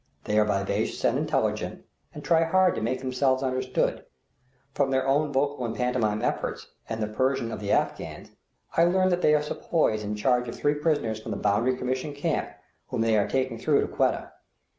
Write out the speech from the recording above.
They are vivacious and intelligent, and try hard to make themselves understood. From their own vocal and pantomimic efforts and the Persian of the Afghans, I learn that they are sepoys in charge of three prisoners from the Boundary Commission camp, whom they are taking through to Quetta.